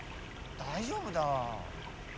大丈夫だ。